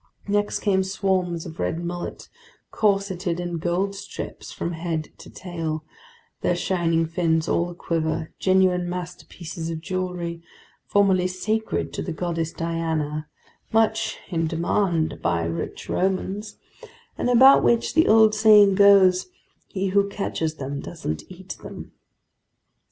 Next came swarms of red mullet corseted in gold stripes from head to tail, their shining fins all aquiver, genuine masterpieces of jewelry, formerly sacred to the goddess Diana, much in demand by rich Romans, and about which the old saying goes: "He who catches them doesn't eat them!"